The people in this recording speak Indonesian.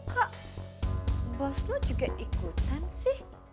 kak bos lo juga ikutan sih